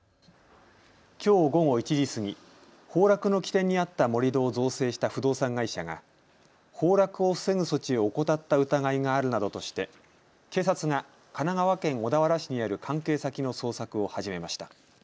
きょう午後１時過ぎ崩落の起点にあった盛り土を造成した不動産会社が崩落を防ぐ措置を怠った疑いがあるなどとして警察が神奈川県小田原市にある関係先の捜索を始めました。